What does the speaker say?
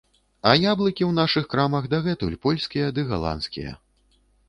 А яблыкі ў нашых крамах дагэтуль польскія ды галандскія.